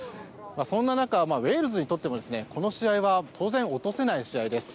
そんな中、ウェールズにとってもこの試合は当然、落とせない試合です。